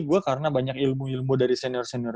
gue karena banyak ilmu ilmu dari senior senior